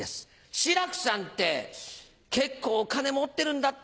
「しらく」さんって結構お金持ってるんだって？